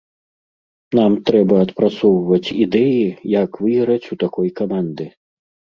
Нам трэба адпрацоўваць ідэі, як выйграць у такой каманды.